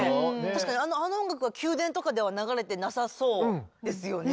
確かにあの音楽は宮殿とかでは流れてなさそうですよね。